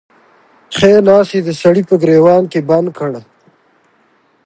ښی لاس يې د سړي په ګرېوان کې بند کړ.